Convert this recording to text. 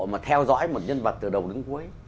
mà theo dõi một nhân vật từ đầu đến cuối